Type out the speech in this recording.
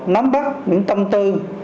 nắm bắt những tâm tư